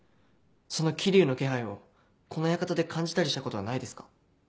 その霧生の気配をこの館で感じたりしたことはないですか？